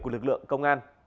của lực lượng công an